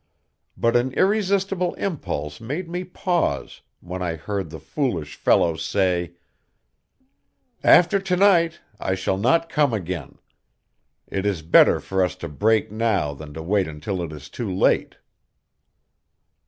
But an irresistible impulse made me pause when I heard the foolish fellow say: "After to night I shall not come again. It is better for us to break now than to wait until it is too late."